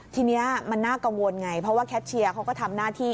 ทีนี้มันน่ากังวลไงเพราะว่าแคทเชียร์เขาก็ทำหน้าที่